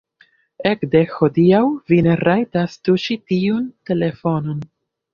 Ekde hodiaŭ vi ne rajtas tuŝi tiun telefonon.